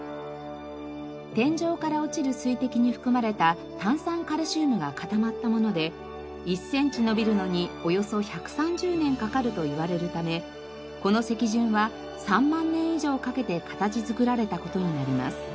天井から落ちる水滴に含まれた炭酸カルシウムが固まったもので１センチ伸びるのにおよそ１３０年かかるといわれるためこの石筍は３万年以上かけて形作られた事になります。